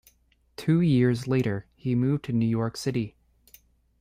Two years later he moved to New York City.